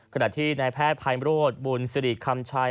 ขณะที่นายแพทย์ภัยมโรธบุญสิริคำชัย